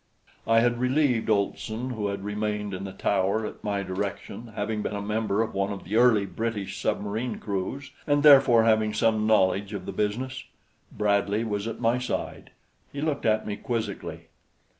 I had relieved Olson, who had remained in the tower at my direction, having been a member of one of the early British submarine crews, and therefore having some knowledge of the business. Bradley was at my side. He looked at me quizzically.